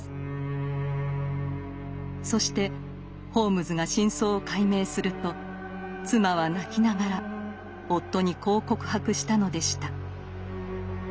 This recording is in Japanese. そしてホームズが真相を解明すると妻は泣きながら夫にこう告白したのでした。